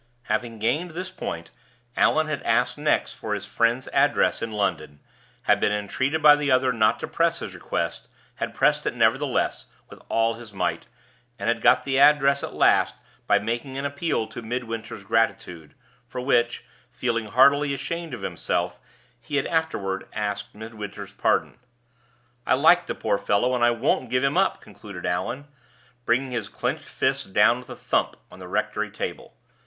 Having gained this point, Allan had asked next for his friend's address in London, had been entreated by the other not to press his request, had pressed it, nevertheless, with all his might, and had got the address at last by making an appeal to Midwinter's gratitude, for which (feeling heartily ashamed of himself) he had afterward asked Midwinter's pardon. "I like the poor fellow, and I won't give him up," concluded Allan, bringing his clinched fist down with a thump on the rectory table.